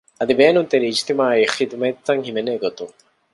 އަދި ބޭނުންތެރި އިޖްތިމާޢީ ޚިދުމަތްތައް ހިމެނޭ ގޮތުން